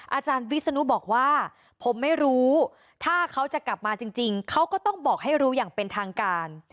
อาจารย์วิศนุบอกว่าผมไม่รู้ถ้าเขาจะกลับมาจริงเขาก็ต้องบอกให้รู้อย่างเป็นทางการ